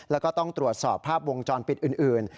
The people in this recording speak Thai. แล้วก็ต้องตรวจสอบภาพวงจรปิดอื่น